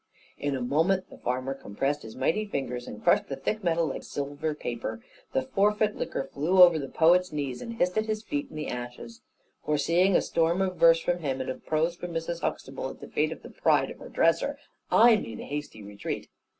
In a moment the farmer compressed his mighty fingers, and crushed the thick metal like silver paper. The forfeit liquor flew over the poet's knees, and hissed at his feet in the ashes. Foreseeing a storm of verse from him, and of prose from Mrs. Huxtable at the fate of the pride of her dresser, I made a hasty retreat.